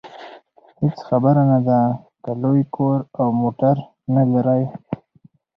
هېڅ خبره نه ده که لوی کور او موټر نلرئ.